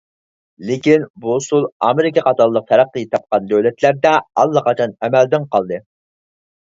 لېكىن، بۇ ئۇسۇل ئامېرىكا قاتارلىق تەرەققىي تاپقان دۆلەتلەردە ئاللىقاچان ئەمەلدىن قالدى.